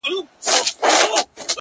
د اوړي وروستی ګلاب -